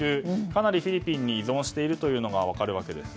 かなりフィリピンに依存しているというのが分かるわけです。